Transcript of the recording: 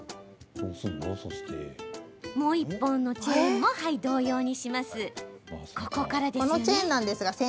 もう１本のチェーンも同様に。